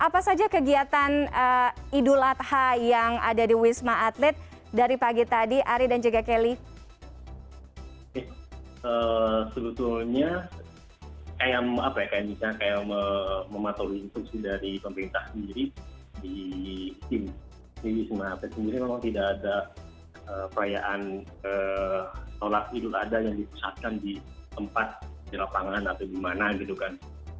pemerintah sendiri memang tidak ada perayaan tolak idul adha yang dipusatkan di tempat di lapangan atau di mana gitu kan